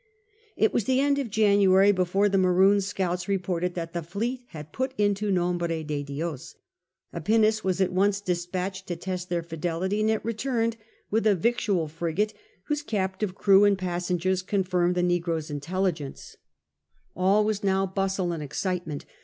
It was the end of January before the Maroons' scouts reported that the fleet had put into Nombre de Dios. A pinnace was at once despatched to test their fidelity, and it returned with a victual frigate, whose captive crew and passengers confirmed the negroes' intelUgence. 36 SIR FRANCIS DRAKE chap. All was now bustle and excitement.